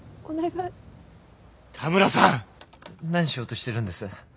何しようとしてるんです？